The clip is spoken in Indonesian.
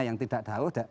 yang tidak ada